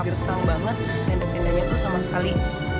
gersam banget tenda tendanya itu sama sekali